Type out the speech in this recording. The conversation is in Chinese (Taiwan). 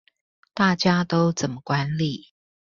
大家都怎麼管理